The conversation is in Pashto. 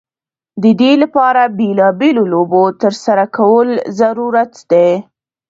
د دې لپاره بیلا بېلو لوبو ترسره کول ضرورت دی.